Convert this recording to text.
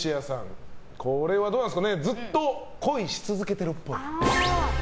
ずっと恋し続けてるっぽい。